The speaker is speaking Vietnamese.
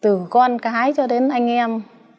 tối đến con cái cho đến anh em